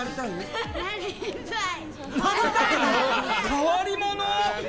変わり者！